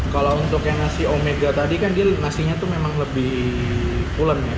kalau untuk yang nasi omega tadi kan dia nasinya itu memang lebih ulen